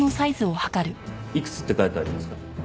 いくつって書いてありますか？